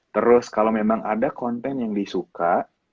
terus kalau memang ada konten yang disuka